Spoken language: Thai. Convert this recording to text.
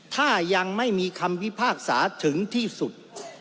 ถ้ายังไม่มีคำวิภาคศาสตร์ถึงที่สุด